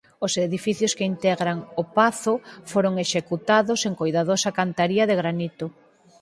Os edificios que integran o pazo foron executados en coidadosa cantaría de granito.